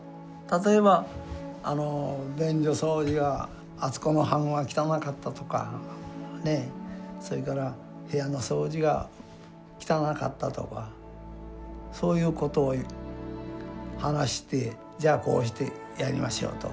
例えばあの便所掃除はあそこの班は汚かったとかそれから部屋の掃除が汚かったとかそういうことを話してじゃあこうしてやりましょうと。